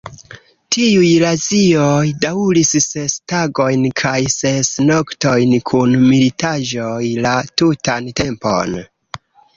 Tiuj razioj daŭris ses tagojn kaj ses noktojn, kun militaĵoj la tutan tempon.